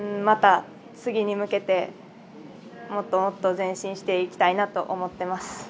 また次に向けて、もっともっと前進していきたいなと思っています。